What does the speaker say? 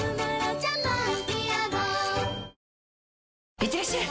いってらっしゃい！